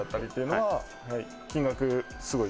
「はい。